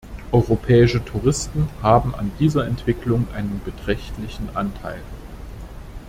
Europäische Touristen haben an dieser Entwicklung einen beträchtlichen Anteil.